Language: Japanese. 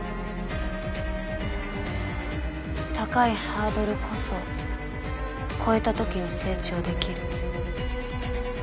高いハードルこそ越えた時に成長できる。